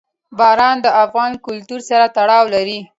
باران د افغان کلتور سره تړاو لري.